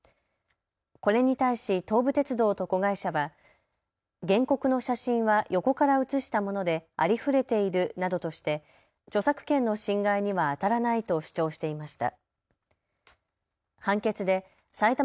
これに対し東武鉄道と子会社は原告の写真は横から写したものでありふれているなどとして著作権の侵害にはあたらないと主張していました。